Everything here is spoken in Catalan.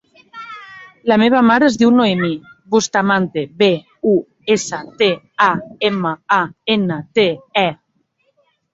La meva mare es diu Noemí Bustamante: be, u, essa, te, a, ema, a, ena, te, e.